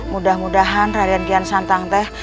mudah mudahan rakyat kian santang teh